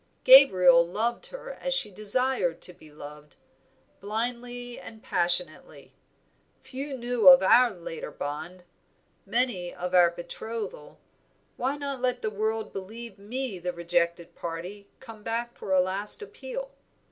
Gabriel loved her as she desired to be loved, blindly and passionately; few knew of our later bond, many of our betrothal, why not let the world believe me the rejected party come back for a last appeal?